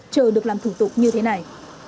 chờ được làm thủ tục như thế này